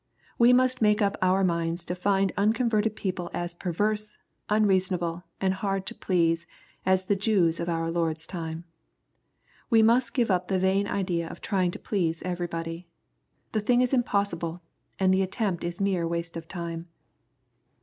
We must make up our minds to find unconverted people as perverse, unreasonable, and hard to please as the Jews of our Lord's time. We must give up the vain idea of trying to please everybody. The thing is impossible, and the attempt is mere waste of time.